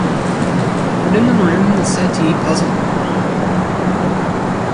But in the room the settee puzzled me.